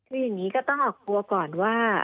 อย่างนี้ก็ต้องออกสังกลัวก่อนว่า